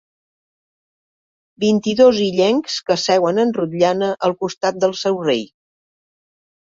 Vint-i-dos illencs que seuen en rotllana al costat del seu rei.